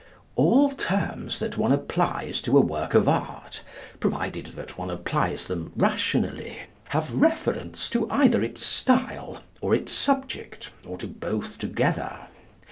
All terms that one applies to a work of art, provided that one applies them rationally, have reference to either its style or its subject, or to both together.